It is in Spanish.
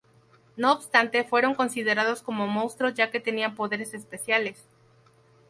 No obstante, fueron considerados como monstruos ya que tenían poderes especiales.